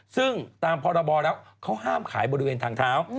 ซึ่งตามพรบแล้วเขาห้ามขายบริเวณทางเท้า